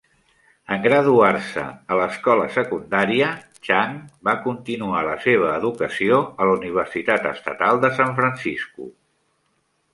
En graduar-se a l'escola secundària, Chang va continuar la seva educació a la universitat estatal de San Francisco.